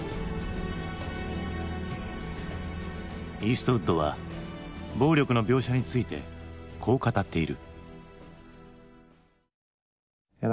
イーストウッドは暴力の描写についてこう語っている。